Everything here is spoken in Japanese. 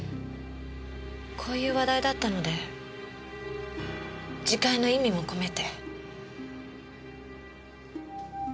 こういう話題だったので自戒の意味も込めて。